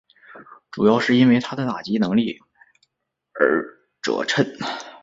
主要是因为他的打击能力而着称。